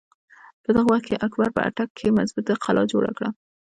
په دغه وخت کښې اکبر په اټک کښې مظبوطه قلا جوړه کړه۔